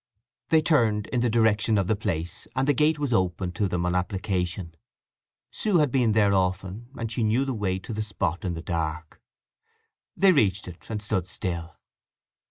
They turned in the direction of the place, and the gate was opened to them on application. Sue had been there often, and she knew the way to the spot in the dark. They reached it, and stood still.